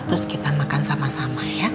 terus kita makan sama sama ya